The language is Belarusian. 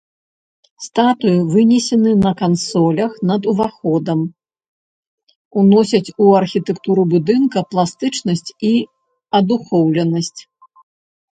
Статуі вынесены на кансолях над уваходам, уносяць у архітэктуру будынка пластычнасць і адухоўленасць.